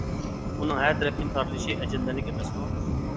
ئۇنىڭ ھەر تەرەپكە تارىلىشى ئەجەبلىنەرلىك ئەمەسمۇ؟ !